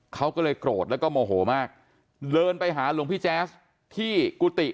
เขาก็เลยโกรธแล้วก็โมโหมากเดินไปหาหลวงพี่แจ๊สที่กุฏิ